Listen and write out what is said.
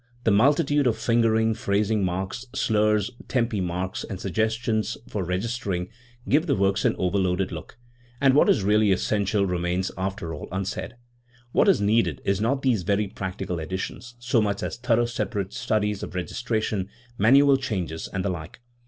The multitude of fingering, phrasing marks, slurs, tempi marks, and suggestions for registering give the works an overloaded look, and what is really essential remains after all unsaid. What is needed is not these very practical editions so much as thorough separate studies of registration, manual changes, and the like.